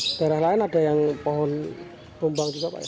di daerah lain ada yang pohon tumbang juga pak ya